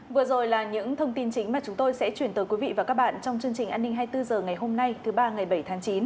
vừa rồi là những thông tin chính mà chúng tôi sẽ chuyển tới quý vị và các bạn trong chương trình an ninh hai mươi bốn h ngày hôm nay thứ ba ngày bảy tháng chín